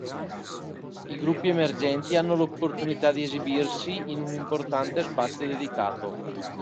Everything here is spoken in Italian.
I gruppi emergenti hanno l'opportunità di esibirsi in un importante spazio dedicato.